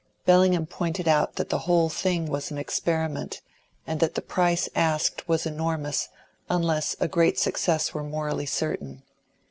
Bellingham pointed out that the whole thing was an experiment, and that the price asked was enormous, unless a great success were morally certain.